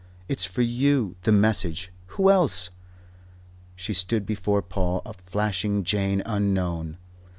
It's for you, the message. Who else?" She stood before Paul, a flashing Jane unknown.